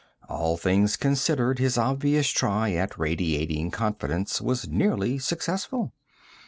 All things considered, his obvious try at radiating confidence was nearly successful.